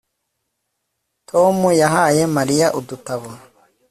Tom yahaye Mariya udutabo